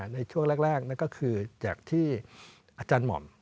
ในช่วงแรกนั่นก็คือจากที่อาจารย์หม่อม